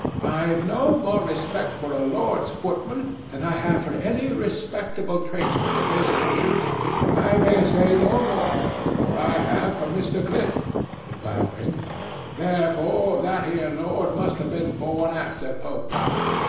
I've no more respect for a Lord's footman than I have for any respectable tradesman in this room. I may say no more nor I have for Mr. Clip! (bowing). Therefore, that ere Lord must have been born long after Pope died.